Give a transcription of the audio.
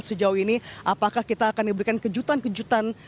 sejauh ini apakah kita akan diberikan kejutan kejutan